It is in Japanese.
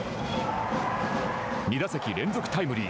２打席連続タイムリー。